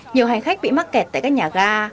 nhiều hành khách bị mắc kẹt tại các nhà ga